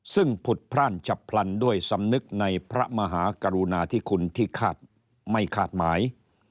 ซึ่งผุดพร่านฉับพลันด้วยสำนึกในพระมหากรุณาธิคุณที่ไม่คาดหมาย